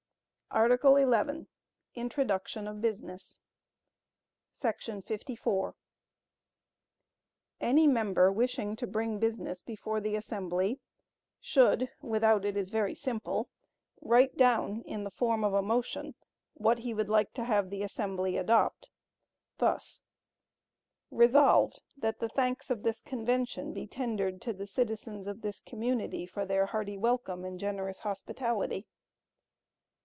Art. XI. Introduction of Business. 54. Any member wishing to bring business before the assembly, should, without it is very simple, write down in the form of a motion, what he would like to have the assembly adopt, thus: Resolved, That the thanks of this convention be tendered to the citizens of this community for their hearty welcome and generous hospitality.